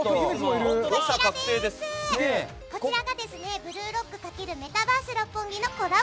こちらが「ブルーロック×メタバース六本木」のコラボ